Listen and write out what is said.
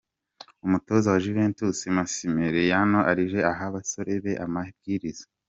Umutoza wa Juventus Massimiliano Allegri aha abasore be amabwiriza.